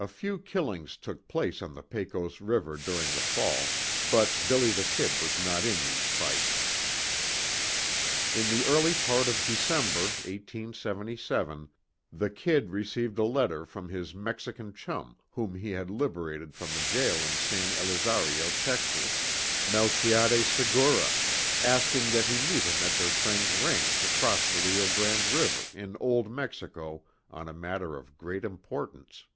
A few "killings" took place on the Pecos river during the fall, but "Billy the Kid" was not in these fights. In the early part of December, 1877, the "Kid" received a letter from his Mexican chum whom he had liberated from the jail in San Elizario, Texas, Melquiades Segura, asking that he meet him at their friend's ranch across the Rio Grande river, in Old Mexico, on a matter of great importance.